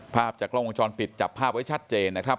ภาพจากกล้องวงจรปิดจับภาพไว้ชัดเจนนะครับ